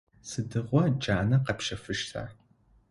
Сыдигъо джанэ къэпщэфыщта?